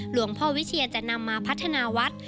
หลวงพ่อวิเชียจะนำมาพัฒนาวัด